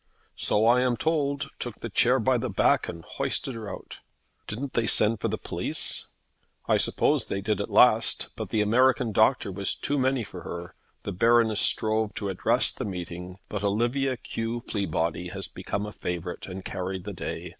"So I am told; took the chair by the back and hoisted her out." "Didn't they send for the police?" "I suppose they did at last; but the American doctor was too many for her. The Baroness strove to address the meeting; but Olivia Q. Fleabody has become a favourite, and carried the day.